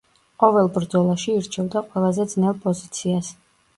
ყოველ ბრძოლაში ირჩევდა ყველაზე ძნელ პოზიციას.